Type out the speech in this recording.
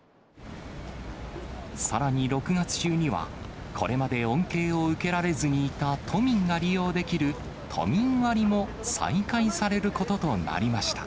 さらに６月中には、これまで恩恵を受けられずにいた都民が利用できる都民割も再開されることとなりました。